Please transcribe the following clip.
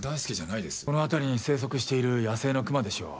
この辺りに生息している野生のクマでしょう。